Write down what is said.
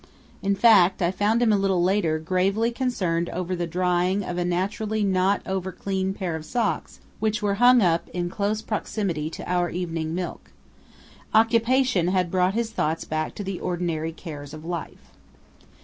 In fact, I found him a little later gravely concerned over the drying of a naturally not over clean pair of socks which were hung up in close proximity to our evening milk. Occupation had brought his thoughts back to the ordinary cares of life.